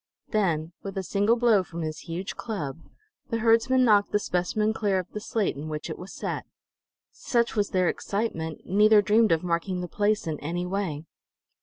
Then, with a single blow from his huge club, the herdsman knocked the specimen clear of the slate in which it was set. Such was their excitement, neither dreamed of marking the place in any way.